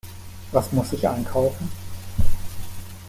Was muss ich einkaufen?